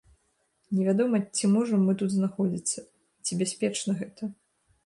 Невядома, ці можам мы тут знаходзіцца, ці бяспечна гэта.